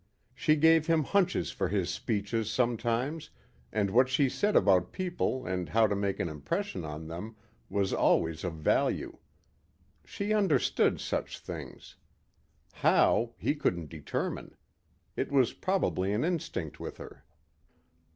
She gave him hunches for his speeches sometimes and what she said about people and how to make an impression on them was always of value. She understood such things. How, he couldn't determine. It was probably an instinct with her.